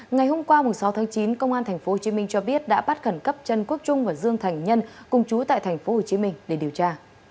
ngày hôm qua sáu tháng chín công an tp hcm cho biết đã bắt khẩn cấp trần quốc trung và dương thành nhân cùng chú tại tp hcm để điều tra